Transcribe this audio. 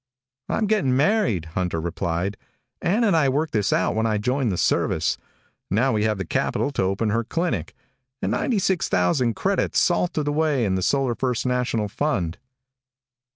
"I'm getting married," Hunter replied. "Ann and I worked this out when I joined the service. Now we have the capital to open her clinic and ninety six thousand credits, salted away in the Solar First National Fund."